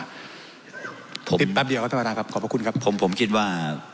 ปิดแป๊บเดียวครับท่านประธานครับขอบพระคุณครับผมผมคิดว่า